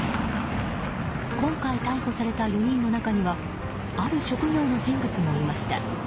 今回、逮捕された４人の中にはある職業の人物もいました。